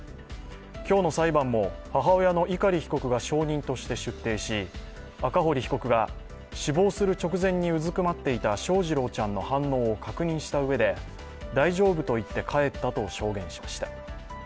今日の裁判も母親の碇被告が証人として出廷し、赤堀被告が死亡する直前にうずくまっていた翔士郎ちゃんの様子を確認したうえで、大丈夫と言って帰ったと証言しました。